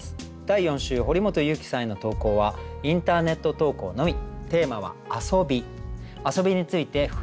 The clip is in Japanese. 第４週堀本裕樹さんへの投稿はインターネット投稿のみ。